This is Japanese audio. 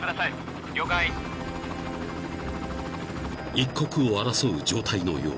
［一刻を争う状態のよう］